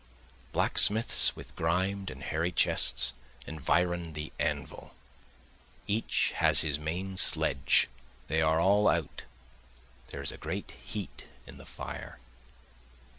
Blacksmiths with grimed and hairy chests environ the anvil, Each has his main sledge, they are all out, there is a great heat in the fire.